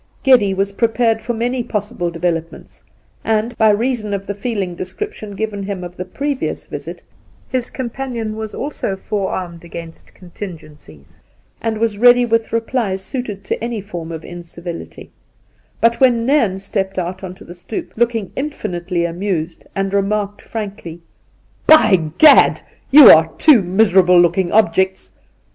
Induna Nairn 89 Geddy was prepared* for many possible develop ments, and — by reason of the feeling description given him of the previous visit — his companion was also forearmed against contingencies, and was ready with replies suited to any form of incivility ; but when Nairn stepped out on to the stoep looking infinitely amused, and remarked frankly, 'By Gad! you are two miserable looking objects